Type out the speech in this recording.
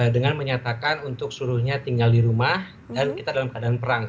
dengan menyatakan untuk seluruhnya tinggal di rumah dan kita dalam keadaan perang